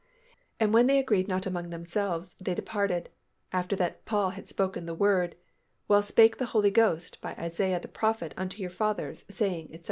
"And when they agreed not among themselves, they departed, after that Paul had spoken the word, 'Well spake the Holy Ghost by Isaiah the prophet unto your fathers saying, etc.